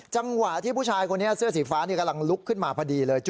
จังหวะที่ผู้ชายคนนี้เสื้อสีฟ้ากำลังลุกขึ้นมาพอดีเลย